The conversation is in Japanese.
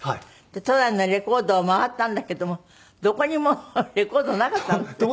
都内のレコードを回ったんだけどもどこにもレコードなかったんですって？